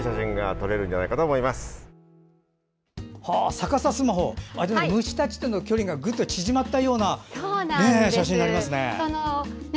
逆さスマホ虫たちとの距離がぐっと縮まったような写真になりますね。